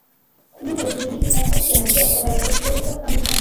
kunywa hejuru yibihaha byanjye akayaga keza ka mugitondo